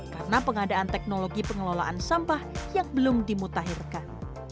karena pengadaan teknologi pengelolaan sampah yang belum dimutahirkan